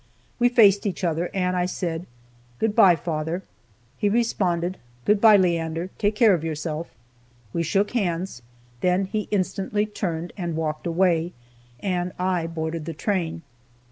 We faced each other, and I said, "Good bye, father;" he responded, "Good bye, Leander, take care of yourself." We shook hands, then he instantly turned and walked away, and I boarded the train.